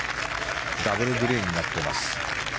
ダブルグリーンになってます。